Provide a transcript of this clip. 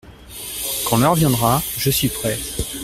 Quand l'heure viendra, je suis prêt …